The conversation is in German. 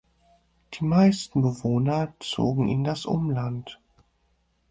Die meisten Bewohner zogen in das Umland.